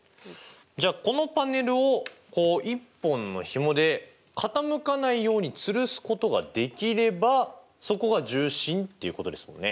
じゃあこのパネルをこう１本のひもで傾かないようにつるすことができればそこが重心っていうことですもんね。